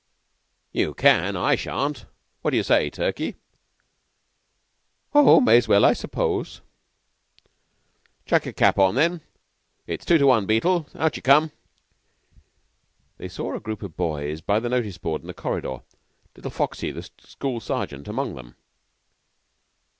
"You can; I shan't. What d'you say, Turkey?" "Oh, may's well, I s'pose." "Chuck on your cap, then. It's two to one. Beetle, out you come!" They saw a group of boys by the notice board in the corridor; little Foxy, the school sergeant, among them.